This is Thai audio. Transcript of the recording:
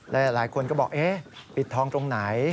หลายคนก็บอกเอ๊ะปิดทองตรงไหน